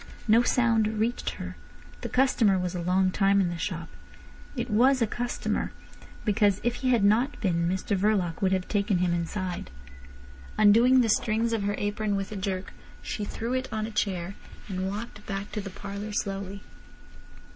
No sound reached her. The customer was a long time in the shop. It was a customer, because if he had not been Mr Verloc would have taken him inside. Undoing the strings of her apron with a jerk, she threw it on a chair, and walked back to the parlour slowly.